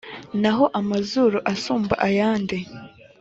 naho amazuru asumba ayandi